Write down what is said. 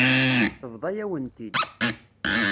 Tebḍa-yawen-t-id.